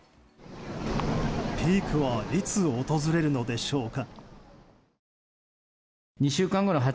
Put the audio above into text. ピークはいつ訪れるのでしょうか。